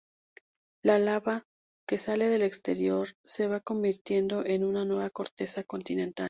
La lava que sale al exterior se va convirtiendo en nueva corteza continental.